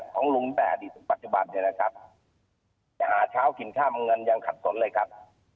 ของลุงแต่อดีตถึงปัจจุบันเนี่ยนะครับจะหาเช้ากินข้ามเงินยังขัดสนเลยครับ